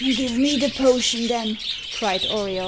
"Give me the potion, then," cried Auriol.